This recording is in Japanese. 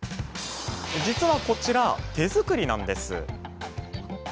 実はこちら、手作りなんです。